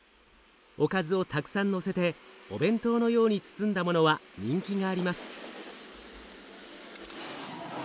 おかずをたくさんのせてお弁当のように包んだものは人気があります。